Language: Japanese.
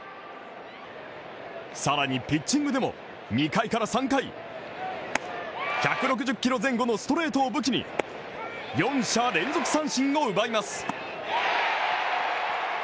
更にピッチングでも２回から３回１６０キロ前後のストレートを武器に４者連続三振を奪います。